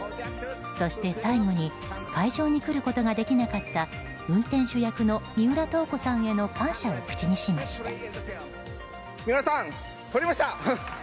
そして、最後に会場に来ることができなかった運転手役の三浦透子さんへの感謝を口にしました。